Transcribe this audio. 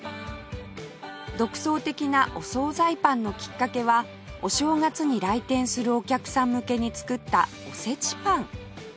独創的なお総菜パンのきっかけはお正月に来店するお客さん向けに作ったおせちパン